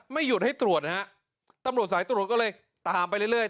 ไม่หยุดให้ตรวจนะฮะตำลูกสายตรวจก็เลยตามไปเรื่อยเรื่อย